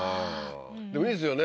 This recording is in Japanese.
でもいいですよね